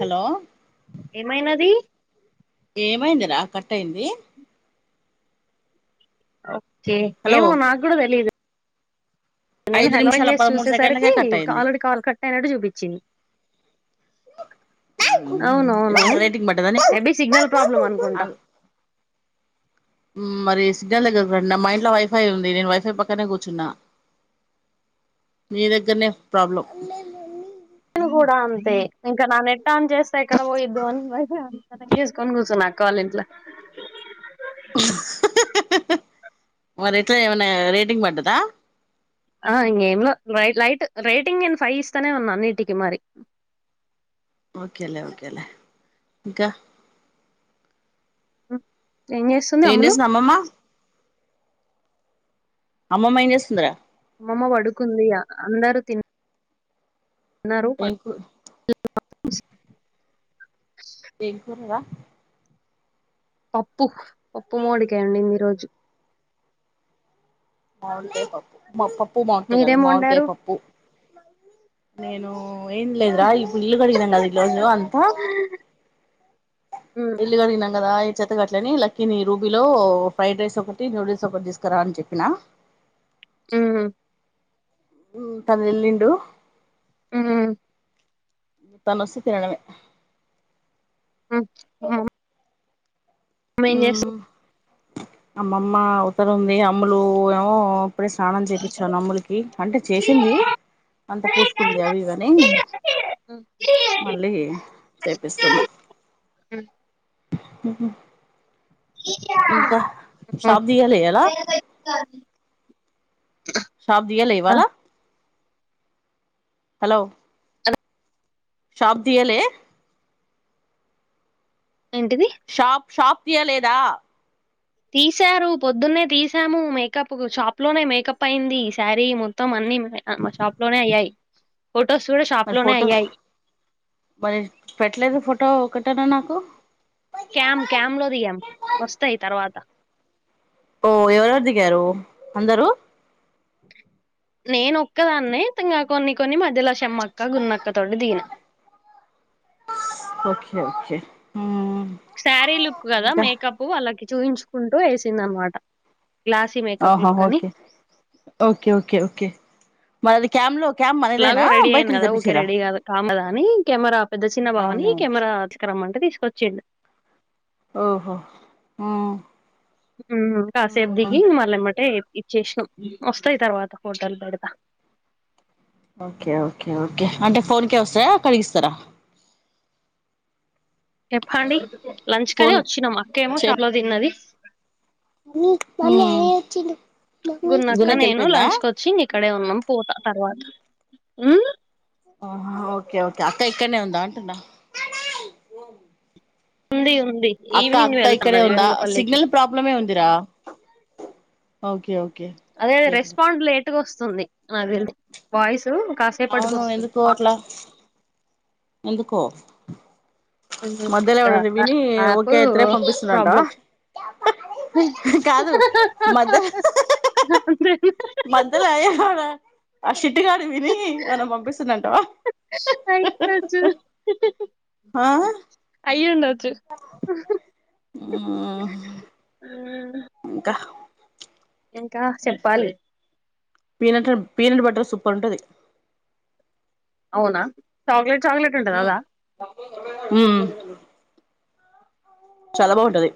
Hello ఏమైనది ఏమైందిరా cut అయింది. ఓకే హలో ఏమో నాగూడ తెలీదు. నేను ఐదు హలోఅని నిమిషాల చేసి పదమూడు సెకండ్లకే చూసేసరికి కట్ అయింది కాలుండి కాల్ కట్ అయినట్టు చూపిచింది. అ అవునవును ఏదన్నా రేటింగ్ పడ్డదానీకు మేబీ సిగ్నల్ ప్రాబ్లమ్ అనుకుంటా ఆగు మరి సిగ్నల్ దగ్గరికి రండి మా ఇంట్లో వైఫై ఉంది నేను వైఫై పక్కనే కూర్చున్నా. నీ దగ్గరనే ప్రాబ్లం. నేను కూడా అంతే ఇంకా నా నెట్టాన్ చేస్తే ఎక్కడ పోయిద్దో అని వైఫై ఆన్ చేసుకొని కూర్చునా కాలేజ్లో లా మరి ఎట్లా ఏమన్నా రేటింగ్ పడ్డాదా ఆ ఇంక ఏమ్ ల లైట్ రేటింగ్ నేను ఫైవ్ ఇస్తానే ఉన్నా అన్నిటికి మరి ఓకేలే ఓకేలే ఇంకా ఏం చేస్తుంది ఏం అమ్ములు అమ్మమ్మ అమ్మమ్మ ఏం చేస్తుందిరా అమ్మమ్మ పడుకుంది అందరు తినా ఏం కూర స్ [unintelligible] ఏం కూర రా పప్పు పప్పు మామిడికాయ వండింది ఈరోజు మామిడికాయ పప్పు పప్పు మామిడికాయి కాదు మీరేం మామిడికాయ వండారు పప్పు నేను ఏం లేదురా ఇప్పుడు ఇల్లు కడిగినాం కదా ఈ రోజు అంతా ఉమ్ ఇల్లు కడిగినాం కదా ఈ చెత్తగట్లేని లక్కీని రూబీలో ఫ్రైడ్ రైస్ ఒకటి నూడిల్స్ ఒకటి తీసుకురా అని చెప్పినా [inaudible] హమ్ తను ఎల్లిండు ఆమ్ తను వస్తే తినడమే ఆ మనిస్ [unintelligible] అమ్మమ్మ అవతల ఉంది అమ్ములు ఏమో ఇప్పుడే స్నానం చేపిచ్చాను అమ్ములుకి అంటే చేసింది అంత పూసుకుంది అవి ఇవి ఆని మళ్ళీ చేపిస్తున్నా ఆహా తీయాలే ఇయ్యాల [inaudible] షాప్ దీయాలే ఇవ్వాల హలో హలో షాప్ దీయాలే ఏంటిది షాప్ షాప్ తీయాలేదా తీశారు పొద్దున్నే తీసాము మేకప్ షాప్ లోనే మేకప్ అయింది ఈ శారీ మొత్తం అన్ అన్నీ మా షాప్ లోనే అయ్యాయి ఫొటోస్ కూడా షాప్ మరి లోనే ఫోటో అయ్యాయి మరి పెట్టలేదు ఫోటో ఒకటనా నాకు క్యామ్ క్యామ్ లో దిగాం వస్తాయి తర్వాత ఓ ఎవరెవరు దిగారు అందరూ నేనోక్కదాన్నే ఇంకా కొన్ని కొన్ని మధ్య లక్షమ్మక్క గున్నక్క తోటి దిగినా ఓకే ఓకే హుమ్మ్ శారీ లుక్ కదా మేకప్ వాళ్ళకి చూపించుకుంటూ వేసింది అన్నా మాట ఆహా ఓకే ఓకే ఓకే ఓకే మనది కామ్ లో క్యామ్ మనదేనా ఎలాగో రెడి బయట అయిన నుంచి కదా ఊకే తెప్పించిర్రా రెడి కాం కదా కానీ కెమెరా పెద్ద చిన్న భావని అవునవును కెమెరా తీసుకురమ్మంటే తీసుకొచిండు ఓహో హమ్ ఉమ్ కాసేపూ దిగి మళ్ళ యేమటె ఇచ్చేసాం వస్తాయి తర్వాత ఫొటోలు పెడతా ఓకే ఓకే ఓకే అంటే ఫోన్కే వస్తాయా కడిగిస్తారా చెప్పండి లంచ్ కనే ఫోన్ వచ్చినాం అక్క ఏమో షాప్ లో తిన్నది హ్మ్మ్ గున్నాక్క నేను లంచ్ కి వచ్చి ఇక్కడే ఉన్నాం పోతా తర్వాత హా ఆహా ఓకే ఓకే అక్క ఇక్కడనే ఉందా అంటున్న ఉంది ఉంది అక్క ఈవినింగ్ అక్క ఇక్కడే వెళ్తున్నది ఉందా వేములపల్లికి సిగ్నల్ ప్రాబ్లమ్ఏ ఉందిరా ఓకేఓకే అదే రెస్పాండ్ లేట్గా వస్తుంది నాది వాయిస్ కాసేపటికి అవును వస్తుంది ఎందుకుట్లా ఎందుకో మధ్యలో ఎవ్వడండి విని యాప్ ఓకే ఐతేనే పంపిస్తున్నాట ప్రాబ్లం కాదు మధ్య మధ్యల చిట్టుకాడి విని ఏం అన్న పంపిస్తున్నంటవ అయ్యుండొచ్చు ఆ అయ్యుండొచ్చు హుమ్మ్ మ్మ్ ఇంకా ఇంకా చెప్పాలి పీనట్ పీనట్ బట్టర్ సూపర్ ఉంటది అవునా చాక్లెట్ చాక్లెట్ ఉంటది అదా హుమ్మ్ చాలా బాగుంటది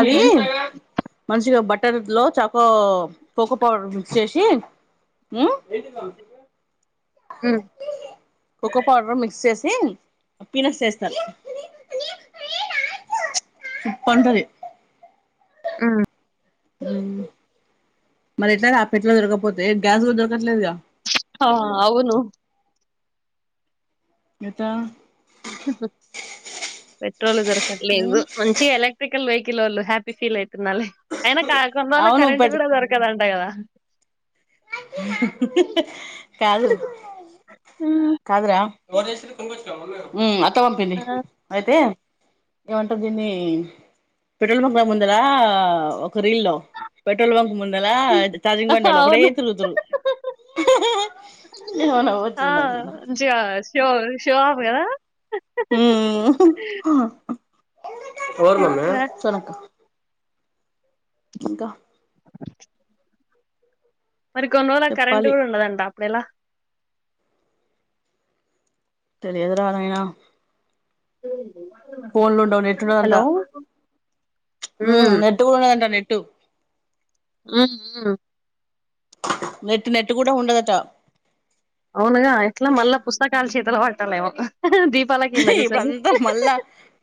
అది ఊహూ మంచిగా బట్ట ట్ట లో చకు పకో పా మిక్స్ చేసి హ్మ్మ్ మ్మ్ కోకో పౌడర్ మిక్స్ చేసి పీినట్స్ వేస్త సూపర్ ఉంటది ఆ హుమ్మ్ మరి ఎట్లా ఆపెట్లా దొరకపోతే గ్యాస్ కూడా దొరకట్లేదుగా హ అవును ఎంత పెట్రోల్ దొరకట్లేదు ఉమ్ మంచిగా ఎలక్ట్రికల్ వెహి కిల్ వాళ్ళు హ్యాపీ ఫీల్ అవుతున్నాాలే అయినా కొన్ని రోళ్ళకు అవును కరెంట్ పెట్ కూడా దొరకదంట కదా కాదు ఉమ్. కాదురా అత్త పంపింది ఆ అయితే ఏమంటాారు దీన్ని పెట్రోల్ బంక్ల ముందరా ఒక రీలో పెట్రోల్ బంక్ ముందలా చార్జింగ్ బండోళ్లు ఒకటే అవును తిరుగుతూర్రు ఎమ ఆ నవ్వొచ్చింది నాకు మంచిగా షో షోవోఫ్ కద తెలుసా మ్ ఇంకా మళ్ళీ కొన్ని రోజులకి కరెంట్ చెప్పాలి కూడా ఉండదంట అప్పుడేలా తెలియదు రా నాయనా ఉ ఫోన్లు ఉండవ్ నెట్ ఉండద్ అంట మ్ ఉమ్ నెట్ కూడా ఉండదంటా నే ట్టు ఆ నెట్ నెట్టు కూడా ఉండదట అవునుగా ఎట్లా మళ్ళా పుస్తకలు చేతుల పట్టాలేమో దీపాల కింద కూసోని ఇప్పుడుంతా మళ్ళా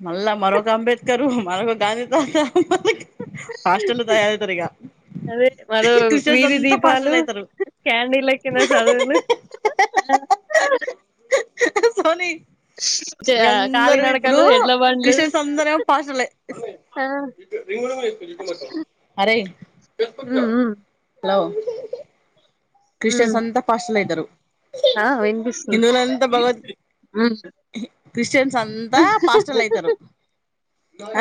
మళ్ళా మరొక అంబేద్కరు మరొక గాంధీ తాత మనకి హాస్టల్ తయారవుతారు ఇగ అదే మరో వీధి దీపాలు అవుతారు క్యాండిల్ల కింద చదువులు అ సోని చే- ఇగా ఆ, అందరూ ఇప్పుడు కాలినడకలు ఎడ్ల బండ్లు క్రిస్టియన్స్ అందరేమో పాస్టర్లే ఆ అరేయ్ ఉమ్ ఉమ్ హలో ఉమ్ క్రిశ్టియన్స్ అంతా పాస్టర్లు అయితారు ఆ వినిపిస్తుంది హిందువులంత భగవద్ ఉమ్ క్రిస్టియన్స్ అంతా పాస్టర్లు అయితారు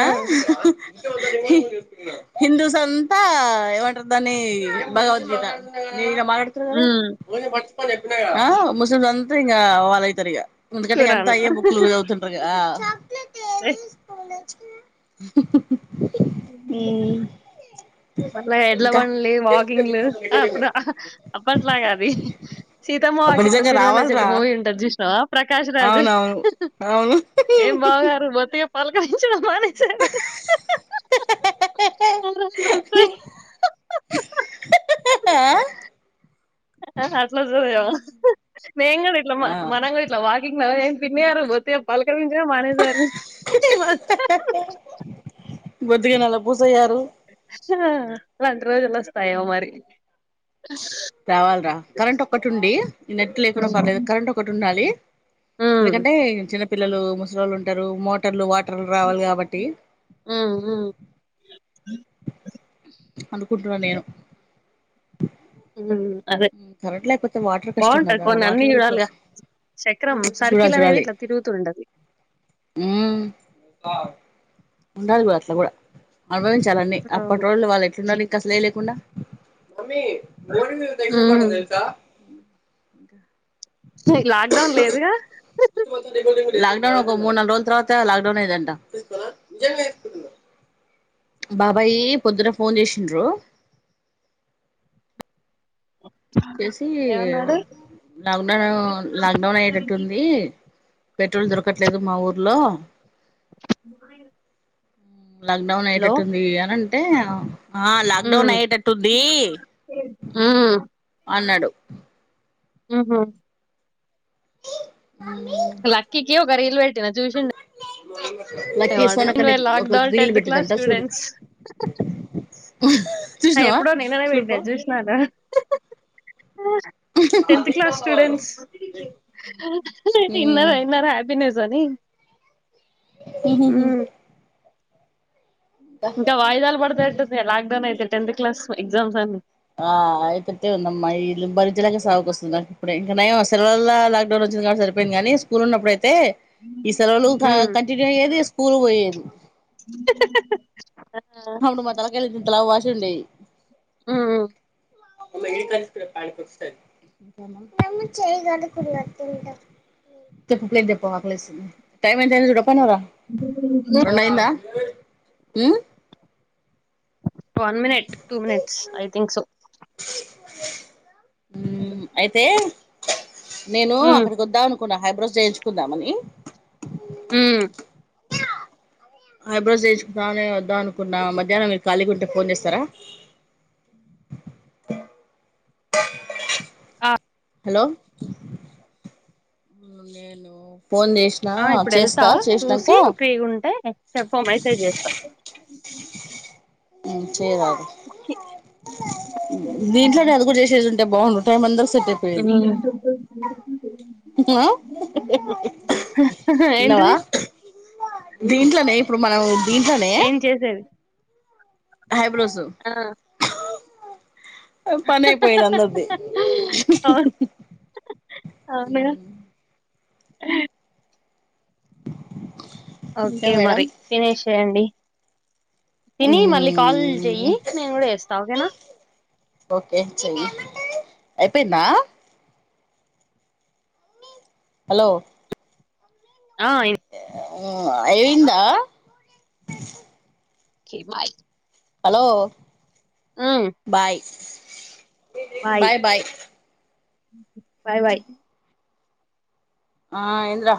ఆ హిందూవుస్ అంతా ఏమంటారు దాన్ని భగవద్గీత మీర్ ద ఉమ్ ఆ ముస్లింస్ అంత ఇంకా వాళ్ళు అయీతారు ఇగా ఏందుకంటే ఇగ అంత కురాన్ అయ్యే బుక్లు యదువుతుంటారు కద ఏ మళ్ళా ఎడ్ల ఇంకా పంలి వాకింగ్లు ఆ అప్పుడు అప్పట్లాగా అది సీతమ్మ అబ్బ వాకిట్లా నిజంగా సిరిమల్లె చెట్టు రావాలిరా మూవీ ఉంటది చూస్నవా ప్రకాష్ రాజు అవునవును అవును ఏం బావ గారు మొతిగా పలకరించడం మానేసారు అ అట్లా చూరవా మేం కూడా ఇట్లా ఆ మనం కూడా ఇట్లా వాకింగ్ లో పిన్నేరుకు బోతే పల్కరించడమే మానేస బొద్దిగి నాల పూస అయ్యారు లాంటి రోజులు వస్తాయో మరి రావల్రా కరెంట్ ఒక్కటి ఉండి ఈ నెట్ లేకుండా ఉమ్ పర్లేదు కరెంట్ ఒకటి ఉండాలి ఉమ్ ఎందుకంటే చిన్నపిిల్లలు ముసలోళ్ళు ఉంటరు మోటార్లు వా టర్ రావాలి కాబట్టి ఉమ్ అనుకుంటున్న నేను మ్ అదే కరెంట్ లేకపోతే వాటర్ కష్టం బాగుంటాది కదా కొన్ని అన్నిీ వాటర్ చూడాలిగా కోసం చక్రం సర్కిల్ అనేది ఇట్లా తిరుగుతుూండది ఊమ్ ఉండాలి బ అట్లా గూడా అనుభవించాలన్నీ అవును అప్పటోళ్లు వాళ్ళు ఎట్లున్నారు నీకం అసలులేమ్ లేకుండా ఉమ్ [unintelligible] చెయ్ లాక్డౌన్ లేదుగా లాక్డౌన్ ఒక మూ నాలుగు రోజుల తర్వాత లాక్డౌన్ అయిందంట బాబాయి పొద్దున ఫోన్ చేసిండ్రు చేసి ఏమన్నాడు లాక్డౌన్ లాక్డౌన్ అయ్యేటట్టుంది పెట్రోల్ దొరకట్లేదు మా ఊర్లో లాక్డౌన్ హలో అయేటట్టుంది అని అంటే ఆ లాక్ డౌన్ ఉమ్ అయ్యేటట్టుంది అన్నాడు ఉహ క్కికివ ఒక రీలు వెట్టినా చూసిండ లక్కీ వాడు సోనక్క ని ఒక లాక్డౌన్ రీల్ టెన్త్ క్లాస్ పెట్టిందంట చూడు స్టూడెంట్స్ ఆ చూసినావా ఎప్పుడో నిన్ననే చూడుపో పెట్న చూసినార లేదు టెన్త్ క్లాస్ స్టూడెంట్స్ ఇన్నర ఇన్నర హ్యాపీనెస్ ని ఇంక వాయిదాలు పడతెదెట్టుంది లాక్డౌన్ అయితే టెన్త్ క్లాస్ వి ఎగ్జామ్స్ అన్ని ఆ అయ్యెతట్టే ఉందమ్మా ఇల్లు బరించలేక సావకొస్తున్నా ఇప్పుడె ఇంకా నయము సెలవల్లా లాక్డౌన్ వొచ్చింది గాబట్టి సరిపేంది గానీ స్కూల్ ఉన్నప్పుడై తే ఈ సెలవులు కంటిన్యూ అయ్యేది స్కూలు బోయేది అవ్వుడు మా తలకాయలు ఇంతితలా వాసుండేవి ఊ ఇత పాల ప సార్ ఇంకేమ చెప్పు ప్టేట్ జెప్పమ్మ ప్లస్సంను టైం ఎంతైందో జూడు రెండైందా ఊ one minute two minutes I think so మ్ అయితే నేను అక్కడికి వొద్దాం అనుకున్నా హైబ్రోస్ జేయించుకుందామని హైబ్రోజ్ జేయించుకుతానమని వద్దామనుకున్నా మధ్యానం మీరు ఖాళీగుంటే ఫోన్ జెస్తారా ఆ హలో నేను ఫోన్ జేష్నా ఆ ఇప్పుడు వెళ్తా చేస్తా చేషినంక చూసి ఫ్రీగా ఉంటే చెప్ప మెసేజ్ చేస్తా ఉమ్ చేయ్ వారి దీంట్లోనే అది గూడా జేసే దుం టే బాండు టైం మం ఉమ్ ఏంటిది విన్నావా దీంట్లోనే ఇప్పుడు మనము ఏం చేసేది హైబ్రోసు ఆ ఓ పనైపోయేది అందర్ది అవునా ఇంకా ఓకే మేడం మరి తినేషేయండి తిని మళ్ళీ కాల్ మ్మ్ జెయ్యి నేను గూడా జేస్తా ఓకేనా ఓకే చెయ్ అయిపెయిందా హలో ఆ ఇన్ ఆ అయి విందా okay bye hello bye bye bye bye bye ఆ ఏంద్రా